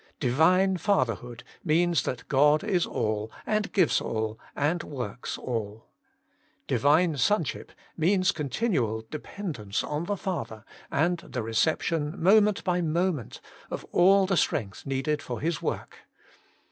Divine Fatherhood means that God is all, and gives all, and works all. Divine Son 44 Working for God ship means continual dependence on the Father, and the reception, moment by mo ment, of all the strength needed for His Work.